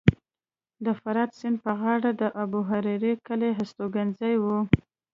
د فرات سیند په غاړه د ابوهریره کلی هستوګنځی و